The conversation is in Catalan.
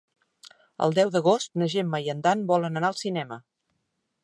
El deu d'agost na Gemma i en Dan volen anar al cinema.